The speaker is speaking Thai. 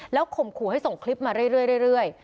ข่มขู่ให้ส่งคลิปมาเรื่อย